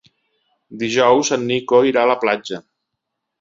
Dijous en Nico irà a la platja.